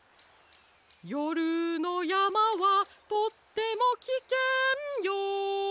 「よるのやまはとってもきけんよ」